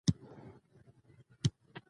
استاد بینوا د حقیقت ویلو جرأت درلود.